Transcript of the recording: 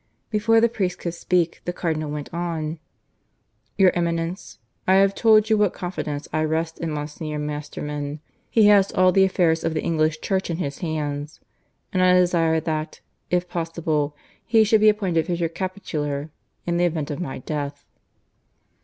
Before the priest could speak the Cardinal went on. "Your Eminence, I have told you what confidence I rest in Monsignor Masterman. He has all the affairs of the English Church in his hands. And I desire that, if possible, he should be appointed Vicar Capitular in the event of my death."